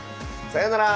さようなら。